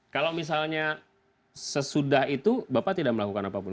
kalau misalnya sesudah itu bapak tidak melakukan apapun